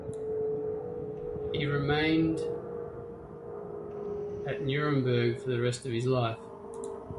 He remained at Neuburg for the rest of his life.